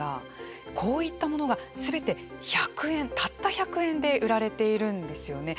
こういったものがすべて１００円たった１００円で売られているんですよね。